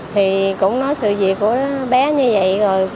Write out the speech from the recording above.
thì cũng nói sự việc của bé như vậy rồi